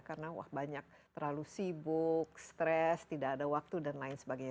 karena wah banyak terlalu sibuk stres tidak ada waktu dan lain sebagainya